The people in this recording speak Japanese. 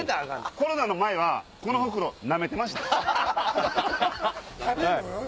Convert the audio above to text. コロナの前はこのほくろ舐めてました。